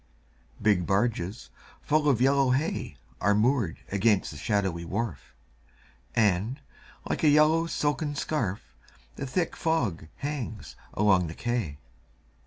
Big barges full of yellow hay Are moored against the shadowy wharf, And, like a yellow silken scarf, The thick fog hangs along the quay.